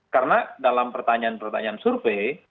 karena dalam pertanyaan pertanyaan survei